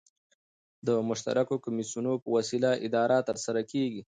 د مشترکو کمېسیونو په وسیله اداره ترسره کيږي.